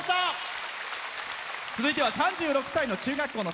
続いては３６歳の中学教師。